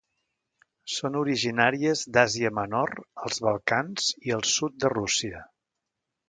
Són originàries d'Àsia Menor, els Balcans i el sud de Rússia.